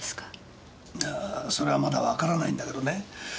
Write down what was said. いやそれはまだわからないんだけどね。